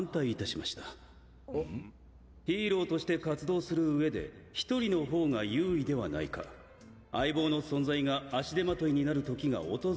ん⁉ヒーローとして活動する上で１人の方が優位ではないか相棒の存在が足手まといになる時が訪れるやもしれない。